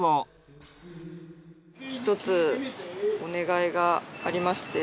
１つお願いがありまして。